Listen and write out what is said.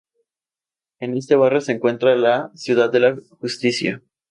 En este barrio se encuentra la Ciudad de la Justicia.